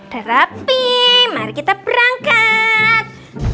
terapi mari kita berangkat